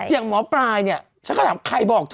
ยังหมอปลายเนี่ยเราก็ถามว่าใครบอกเธอ